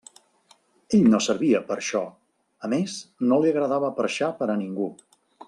Ell no servia per a això; a més, no li agradava perxar per a ningú.